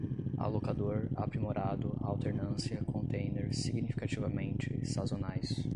alocador, aprimorado, alternância, contêiner, significativamente, sazonais